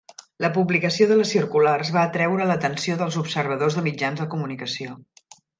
La publicació de les circulars va atreure l'atenció dels observadors de mitjans de comunicació.